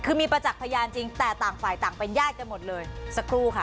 คือมีประจักษ์พยานจริงแต่ต่างฝ่ายต่างเป็นญาติกันหมดเลยสักครู่ค่ะ